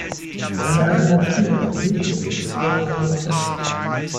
Eine Alternative zu YouTube bezahlt Ihre Nutzer.